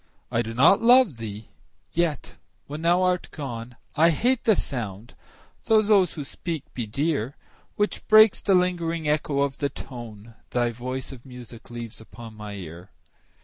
I do not love thee!—yet, when thou art gone, I hate the sound (though those who speak be dear) 10 Which breaks the lingering echo of the tone Thy voice of music leaves upon my ear.